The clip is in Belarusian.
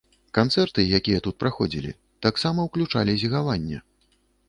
Канцэрты, якія тут праходзілі, таксама ўключалі зігаванне.